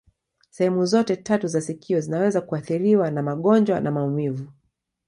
Sehemu zote tatu za sikio zinaweza kuathiriwa na magonjwa na maumivu.